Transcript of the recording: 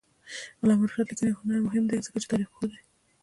د علامه رشاد لیکنی هنر مهم دی ځکه چې تاریخپوه دی.